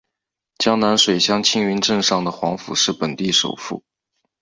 江南水乡青云镇上的黄府是本地首富。